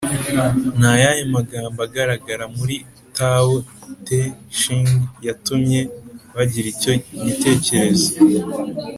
ni ayahe magambo agaragara muri tao te ching yatumye bagira icyo gitekerezo?